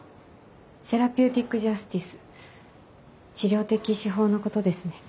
セラピューティック・ジャスティス治療的司法のことですね。